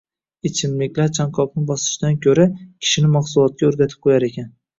ichimliklar chanqoqni bosishdan ko‘ra kishini mahsulotga o‘rgatib qo‘yar ekan